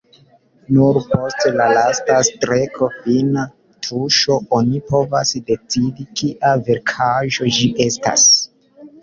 Nur post la lasta streko, fina tuŝo, oni povas decidi kia verkaĵo ĝi estas.